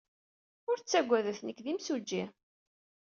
Ur ttaggadet. Nekk d imsujji.